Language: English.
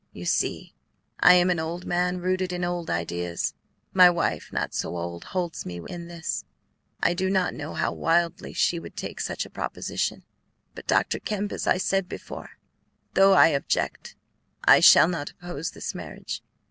"You see, I am an old man rooted in old ideas; my wife, not so old, holds with me in this. I do not know how wildly she would take such a proposition. But, Dr. Kemp, as I said before, though I object, I shall not oppose this marriage.